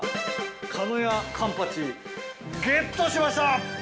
かのやカンパチゲットしました！